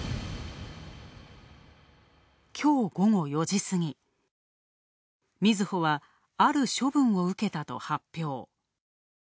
きょう午後４時過ぎ、みずほは、ある処分を受けたと発表。